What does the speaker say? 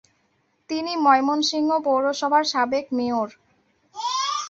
তিনি ময়মনসিংহ পৌরসভার সাবেক মেয়র।